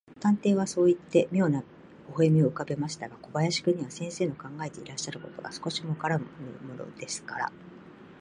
探偵はそういって、みょうな微笑をうかべましたが、小林君には、先生の考えていらっしゃることが、少しもわからぬものですから、